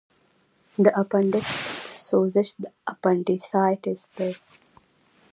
د اپنډکس سوزش اپنډیسایټس دی.